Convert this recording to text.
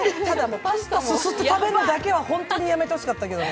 パスタをすすって食べるのだけは本当にやめてほしかったけどね。